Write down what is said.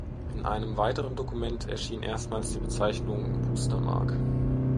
In einem weiteren Dokument erschien erstmals die Bezeichnung "Wustermark".